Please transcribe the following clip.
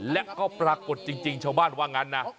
และก็ปรากฏจริงชาวบ้านว่างั้นนะ